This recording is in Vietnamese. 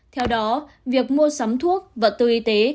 theo đó việc mua sắm thuốc vật tư y tế